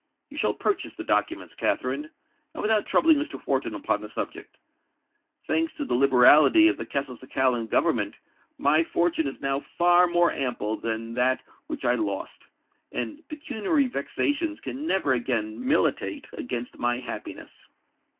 You shall purchase the documents, Katherine—and without troubling Mr. Wharton upon the subject. Thanks to the liberality of the Castelcicalan government, my fortune is now far more ample than that which I lost; and pecuniary vexations can never again militate against my happiness.